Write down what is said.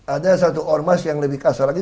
ada satu ormas yang lebih kasar lagi